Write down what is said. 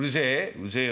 「うるせえよ」。